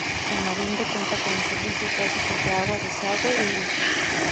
Tamarindo cuenta con los servicios básicos de agua, desagüe y luz.